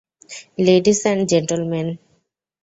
Ladies and gentlemen!